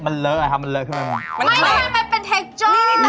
มันเลอะหรอครับมันเลอะขึ้นมาแล้ว